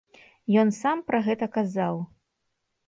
Ён сам пра гэта казаў.